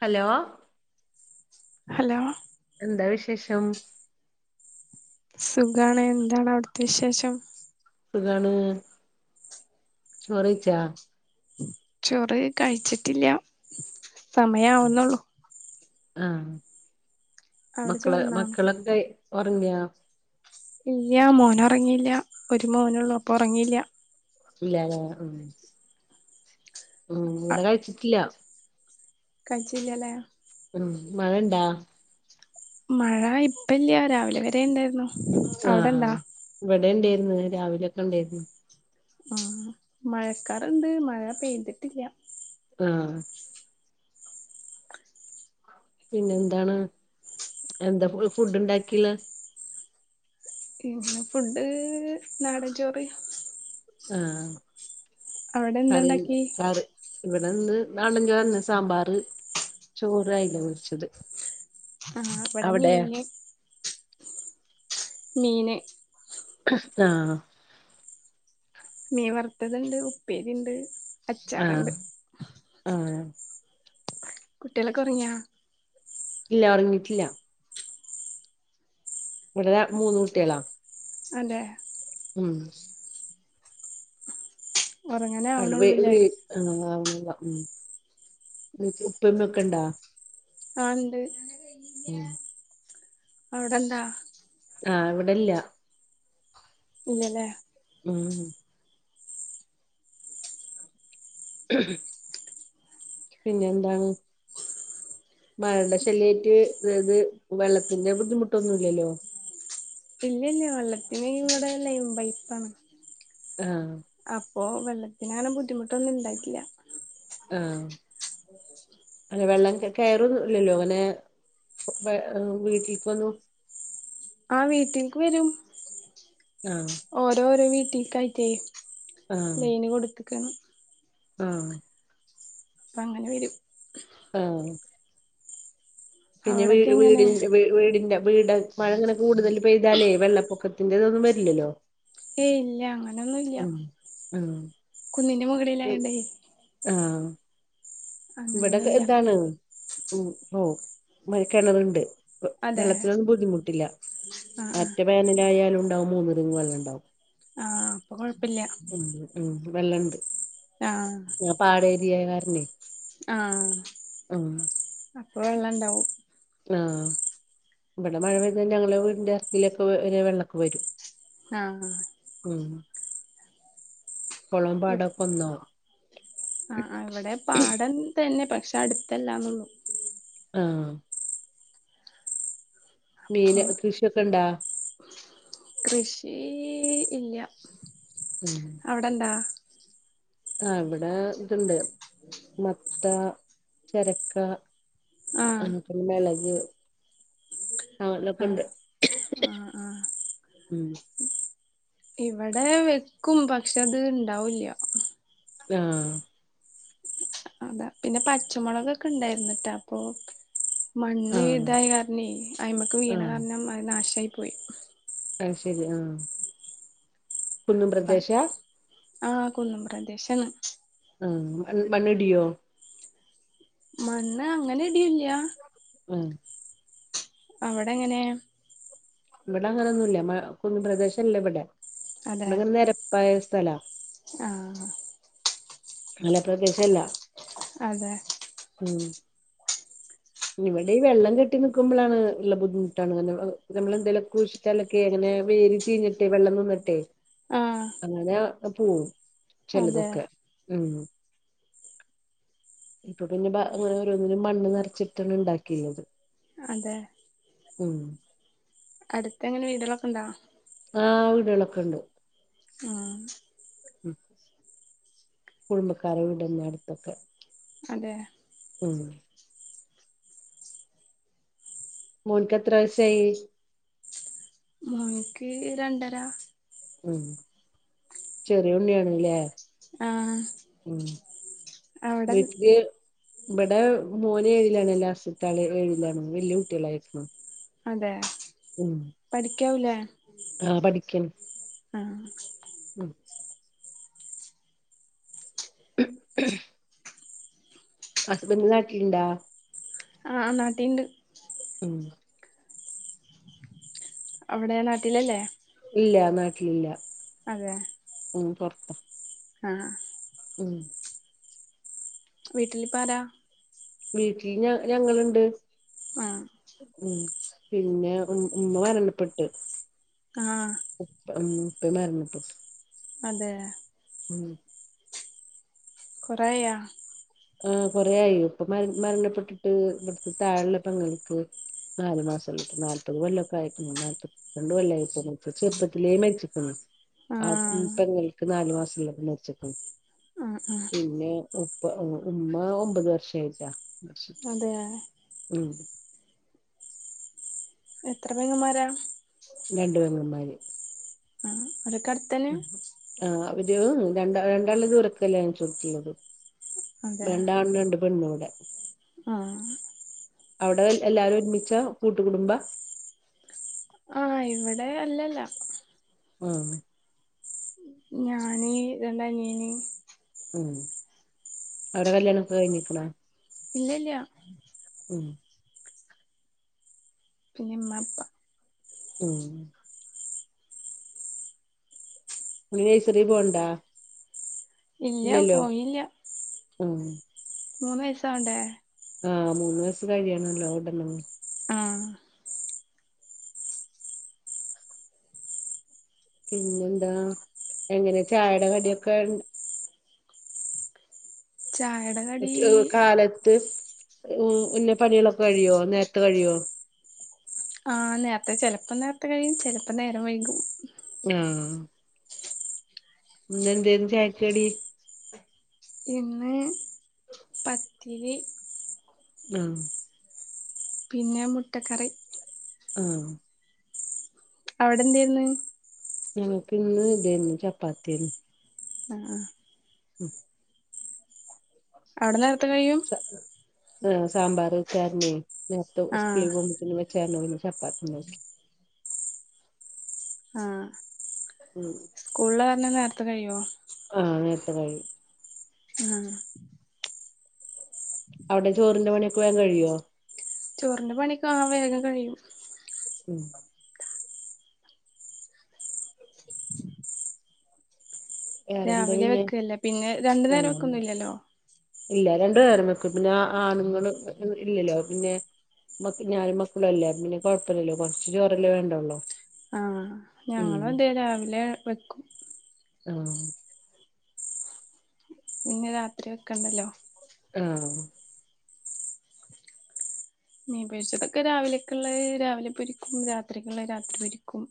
Hello hello എന്താ വിശേഷം? സുഖാണ് എന്താണ് അവിടത്തെ വിശേഷം? സുഖാണ് ചോറ് കയിച്ചാ? ചോറ് കഴിച്ചിട്ടില്ല സമയാവുന്നൊള്ളൂ ആഹ് അവിടെ മക്കള് ചോറുന്നോ മക്കളൊക്കെ ഒറങ്ങിയാ? ഇല്ല മോന് ഒറങ്ങിയില്ല ഒരു മോനൊള്ളൂ അപ്പം ഉറങ്ങിയില്ല. ഇല്ലല്ലേ ഉം ഉം ഇവടെ കഴിച്ചിട്ടില്ല കഴച്ചില്ലലേ? ഉം മഴ ഇണ്ടാ? മഴ ഇപ്പല്ല രാവിലെ വരെ ഇണ്ടായിരുന്നു. ആഹ് ഇവിടെ ഇണ്ടേരുന്നു രാവിലൊക്കെ ഇണ്ടേരുന്നു ആഹ് മഴക്കാറുണ്ട് മഴ പെയ്തിട്ടില്ല ആഹ് പിന്നെ എന്താണ് എന്താ ഫു ഫുഡ് ഉണ്ടാക്കിള് ഇന്ന് ഫുഡ് നാടൻ ചോറ് ആഹ് അവിടെ കറി എന്താണ്ടാക്കി കറി ഇവടെ ഇന്ന് നാടൻ ചോറെന്നെ സാമ്പാറ് ചൂടൻ അയില പൊരിച്ചത് ആഹ് ഇവടെ അവിടെ മീന് മീന് ആഹ് മീൻ വറുത്തതിണ്ട് ഉപ്പേരിണ്ട് ആഹ് അച്ചാറുണ്ട് ആഹ് കുട്ടിയാളൊകെ ഒറങ്ങിയ? ഇല്ല ഒറങ്ങീട്ടില്ല. ഇവിടെ മൂന്നൂട്ടിയാളാ. അതെ. ഉം ഉറങ്ങാനാവണള്ളൂല്ലേ [unintelligible] ഉപ്പെമ്മേക്കെ ഇണ്ടാ ആ ണ്ട് ഉം അവിടെണ്ടോ ആ ഇവടെല്ല ഇല്ലല്ലേ ഉം പിന്നെ എന്താണ് മഴയുടെ ശല്യായിട്ട് അതായത് വെള്ളത്തിന്റെ ബുദ്ധിമുട്ടൊന്നുല്ലല്ലോ ഇല്ല ഇല്ല വെള്ളത്തിന് ഇവിടെ ലൈൻ ബൈപ്പാണ് ആ അപ്പോ വെള്ളത്തിനങ്ങനെ ബുദ്ധിമുട്ടൊന്നും ണ്ടായിട്ടില്ല ആ അങ്ങനെ വെള്ളം കേ കേറുവൊന്നുല്ലല്ലോ അങ്ങനെ വെ വീട്ടിൽക്കൊന്നും ആ വീട്ടിൽക്ക് വരും ആ ഓരോരോ വീട്ടിൽക്കായിട്ടേ ലൈന് കൊടുത്ത്ക്കണം ആ അപ്പം അങ്ങനെ വരും ആ പിന്നെ വി അവിടൊക്കെ വീടി എങ്ങനെ വി വീടിന്റെ വീട് മഴ ഇങ്ങനെ കൂടുതൽ പെയ്താലേ വെള്ളപ്പൊക്കത്തിന്റെതൊന്നും വരില്ലല്ലോ ഏയ് ഇല്ല അങ്ങനൊന്നുല്യാ ഉം ആഹ് കുന്നിന്റെ മുകളിലായോണ്ടേ ആ അങ്ങനൊന്നും ഇവിടൊക്കെ ഇല്ല ഇതാണ് മ ഒ മഴകെണറ്ണ്ട് അതെ വെള്ളത്തിലൊന്നും ബുദ്ധിമുട്ടില്ല ആ ആ അറ്റെ വേനലായാലുംണ്ടാവും മൂന്നറിങ്ങ് വെള്ളണ്ടാവും ആ അപ്പൊ കൊഴപ്പില്ല മ് മ് വെള്ളണ്ട് ആ ഞം പാടേരിയെയാരന്നെ ആ അം അപ്പ വെള്ളണ്ടാവും ആ ഇവിടെ മഴ പെയ്ത് കഴിഞ്ഞാ ഞങ്ങളെ വീടിന്റെ അരിക്കിലൊക്കെ വരെ വെള്ളൊക്കെ വരും ആ ഉം കുളമ്പാടക്കൊന്നോ ആ ഇവിടെ പാടം തന്നെ പക്ഷെ അടുത്തല്ലാന്നൊള്ളു ആ മീന് കൃഷിയൊക്കെയൊണ്ടോ കൃഷി ഇല്ല ഉം അവിടെണ്ടാ ആ ഇവിടെ ഇതുണ്ട് മത്ത ചെരക്ക ആ [unintelligible] മെളക് ആ ആലോക്കെണ്ട് ആ ആ ഉം ഇവിടെ വെക്കും പക്ഷെ അത്ണ്ടാവില്ല ആ അതാ പിന്നെ പച്ചമൊളകൊക്കെണ്ടായിരുന്നിട്ടാ അപ്പൊ മണ്ണ് ആഹ് തായകാരണേ അയിമ്ക്ക് വീണ ആഹ് കാരണം അത് നാശായി പോയി അയ്ശരി ആ കുന്നും അപ്പ പ്രദേശാ ആ കുന്നും പ്രദേശാണ് ആ മണ്ണ് മണ്ണ്ടിയോ മണ്ണ് അങ്ങനെടില്ല ഹ് അവേടെങ്ങനെ ഇവിടെ അങ്ങനൊന്നുല്ല മഴ കുന്ന് പ്രദേശല്ല ഇവിടെ ഇവിടെങ്ങനെ നിരപ്പായ സ്ഥലാ ആഹ് മല പ്രദേശല്ല അതെ ഉം ഇവടിം വെള്ളം കെട്ടി നിക്കുമ്പളാണ് ഇള്ള ബുദ്ധിമുട്ടാണ് -കാര്ണം നമ്മളെന്തേൽ കുഴി ലക്കെ ഇങ്ങനെ വേര് ചീഞ്ഞിട്ടെ വെള്ളം നിന്നിട്ടെ ആ അങ്ങനെ പോവും അതെ ചെലതൊക്കെ ഉം ഇപ്പൊ പിന്നെ ബാ അങ്ങനെ ഓരോന്നിനും മണ്ണ് നിറച്ചിട്ടാണ് ണ്ടാക്കിണത് അതെ ഉം അടുത്ത് എങ്ങനെ വീടുകളൊക്കെണ്ടോ ആ വീടുകളൊക്കെണ്ട് ഉം ഉം കുടുംബക്കാരെ വീടെന്നെ അടുത്തൊക്കെ അതെ ഉം മോൻക്കെത്ര വയസായി മോൻക്ക് രണ്ടര ഉം ചെറിയ ഉണ്ണിയാണ്ല്ലേ ആഹ് ഉം അവിടെ വീട്ട്ല് ഇവിടെ മോന് ഏഴിലാണ് ലാസ്റ്റ്ത്താള് ഏഴിലാണ് വല്യ കുട്ടികളായിക്ക്ണു അതെ പഠിക്കാവൂലേ ആഹ് പഠിക്കാണ് ആഹ് ഉം ഹസ്ബഡ് നാട്ടില്ണ്ടാ ആ ആ നാട്ടീണ്ട് ഉം അവിടെ നാട്ടിലല്ലേ ഇല്ല നാട്ടിലില്ല അതെ ഉം പൊർത്താ ആഹ് ഉം വീട്ടിലിപ്പോ ആരാ വീട്ടിൽ ഞ ഞങ്ങള്ണ്ട് ആഹ് ഉം പിന്നെ ഉ ഉമ്മ മരണപ്പെട്ട് ആഹ് ഉപ്പ ഉം ഉപ്പേം മരണപെട്ട് അതെ ഉം കോറേയാ ആഹ് കൊറേ ആയി ഇപ്പ മര മരണപ്പെട്ടിട്ട് ഇവട്ത്തെ താഴള്ള പെങ്ങൾക്ക് നാല് മാസം ഇള്ളത് നല്പ്പത് കൊല്ലോക്കെ ആയിട്ട്ണ്ട് നാൽപത് രണ്ടു കൊല്ലായി ഇപ്പം മരിച്ചിട്ട് ചെറുപ്പത്തിലേ മരിച്ച്ക്ക്ണ്. ആ ഹ്മ്മ് ആഹ് പെങ്ങൾക്ക് നാല് മാസല്ലപ്പ മരിച്ച്ക്ക്ണ് ആഹ് ആഹ് പിന്നെ ഉപ്പ ഉമ്മ ഒമ്പത് വർഷായിച്ചാ മരിച്ചിട്ട്. അതെ ഹ്മ്മ് എത്ര പെങ്ങമാരാ രണ്ട് പെങ്ങമ്മാര്. ആഹ് അവരൊക്കെ കട് ആഹ് അവര് രണ്ട രണ്ടാള് ദൂരത്ക്കാ കല്യാണം കഴിച്ചൊട്ത്ത്ള്ളത് അതെ രണ്ടാണും രണ്ട് പെണ്ണു ആ ഇബടെ ആഹ് അവ്ടെ എല്ലാരും ഒരുമിച്ചാ കൂട്ടുകുടുംബാ ആഹ് ഇവിടെ അല്ലല്ല ആഹ് ഞാന് രണ്ടനിയന് ഹ്മ്മ്, അവരെ കല്യാണമൊക്കെ കഴിഞ്ഞ്ക്ക്ണോ ഇല്ലല്ല ഹ്മ്മ് പിന്നെ ഇമ്മ ഇപ്പ. ഹ്മ്മ് [unintelligible] നഴ്സറി പോവ്ണ്ടാ? ഇല്ല പോയില്ല. ഹ്മ്മ് മൂന്നയസാവണ്ടേ ആഹ് മൂന്ന് വയസ് കഴിയണല്ലോ വിടണങ്കി ആഹ്. പിന്നെന്താ, എങ്ങനെ ചായടെ കടിയൊക്കെ ചായടെ [unintelligible] കാലത്ത് ഉന്നെ പണികളൊക്കെ കഴിയോ നേരത്ത കഴിയോ ആഹ് നേർത്തെ ചെലപ്പം നേർത്തെ കഴിയും ചെലപ്പോ നേരം വൈകും. ആഹ്. ഇന്നെന്തേന്നു ചായക്കടി ഇന്ന് പത്തിരി ആഹ് പിന്നെ മുട്ടക്കറി ആഹ് അവിടെന്തെന്ന്? ഞങ്ങക്ക് ഇന്ന് ഇതേന്നു ചപ്പാത്തിയായിരുന്നു. ആഹ് ആഹ് ഹ്മ്മ് അവിടെ നേരത്തെ കഴിയും ച ആഹ് സാമ്പാറ് ചാരിണി നേരത്തെ [unintelligible] ആഹ് പിന്നെപ്പം ചെലവിന് ചപ്പാത്തിണ്ടാക്കി. ആഹ് ഹ്മ്മ് സ്കൂള്ള പറഞ്ഞാ നേരത്തെ കയ്യോ ആഹ് നേത്തെ കഴിയും. ആഹ് അവ്ടെ ചോറിന്റെ പണിയൊക്കെ വേഗം കഴിയോ ചോറിന്റെ പണിക്ക ആ വേഗം കഴിയും. ഉം വേറെന്താ രാവിലെ പിന്നെ വെക്കല്ലേ പിന്നെ രണ്ടു നേരം ആഹ് വെക്കൊന്നുല്ലല്ലോ. ഇല്ല രണ്ടു നേരം വെക്കൊ പിന്നെ അ ആണുങ്ങൾ ഇല്ലല്ലോ പിന്നെ. മക്ക് ഞാനും മക്കളു അല്ലെ അപ്പപിന്നെ കൊഴപ്പല്ലല്ലോ കൊർച്ച് ചോറെല്ലേ വേണ്ടൊള്ളൂ. ആഹ് ഞങ്ങളു ഉം അതെ രാവിലെ വെക്കും. ആഹ് പിന്നെ രാത്രി വെക്കണ്ടെല്ലോ. ഹാഹ് മീൻപൊരിച്ചതൊക്കെ രാവിലേക്ള്ളത് രാവിലെ പൊരിക്കും രാത്രിക്കുള്ളത് രാത്രി പൊരിക്കും.